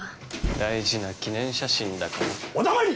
大事な記念写真だからお黙り！